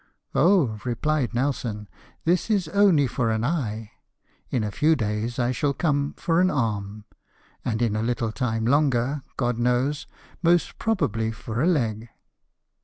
" Oh," replied Nelson, " this is only for an eye. In a few days I shall come for an arm ; and in a little time longer, God knows, most probably for a leg."